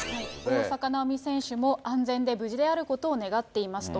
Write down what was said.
大坂なおみ選手も安全で無事であることを願っていますと。